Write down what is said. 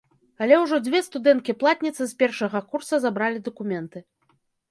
Але ўжо дзве студэнткі-платніцы з першага курса забралі дакументы.